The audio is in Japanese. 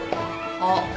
あっ。